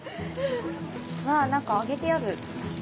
わあなんか揚げてある。